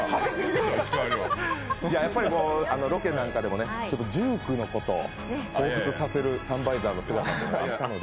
やっぱりロケなんかでも１９のことをほうふつさせるサンバイザーがあったので。